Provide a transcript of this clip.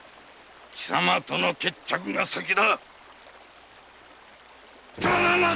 貴様との決着が先だ。